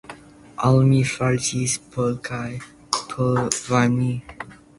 Al mi fariĝis pli kaj pli varme.